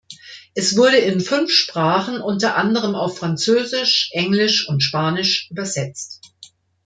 Es wurde in fünf Sprachen, unter anderem auf Französisch, Englisch und Spanisch, übersetzt.